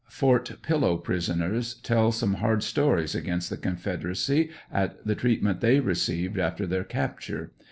Fort Pillow prisoners tell some hard stories against the Confederacy at the treatment they received after their capture.